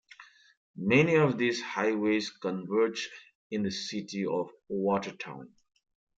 Many of these highways converge in the City of Watertown.